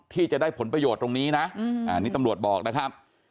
ที่จะได้ผลประโยชน์ตรงนี้นะอันนี้ตำรวจบอกนะครับ